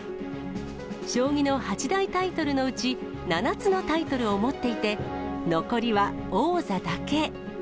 将棋の八大タイトルのうち、７つのタイトルを持っていて、残りは王座だけ。